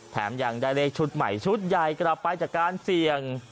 แถมยังได้เลขชุดใหม่ชุดใหญ่กลับไปจากการเสี่ยง